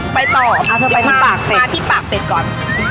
ไปต่อมาที่ปากเป็ดก่อน